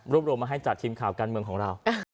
รวมมาให้จากทีมข่าวการเมืองของเรา